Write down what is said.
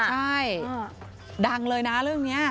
ใช่ดังเลยนะเรื่องนี้